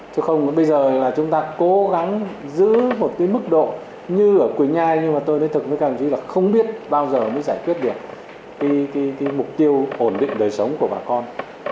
chứ không bây giờ là chúng ta cố gắng giữ một cái mức độ như ở quỳnh nhai nhưng mà tôi nói thực với các đồng chí là không biết bao giờ mới giải quyết được cái mục tiêu ổn định đời sống của bà con